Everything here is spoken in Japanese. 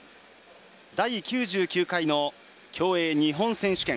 第９９回の競泳日本選手権。